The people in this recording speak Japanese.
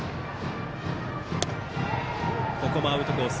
ここもアウトコース